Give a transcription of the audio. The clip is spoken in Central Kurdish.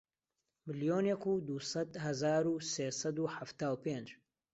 ملیۆنێک و دوو سەد هەزار و سێ سەد و حەفتا و پێنج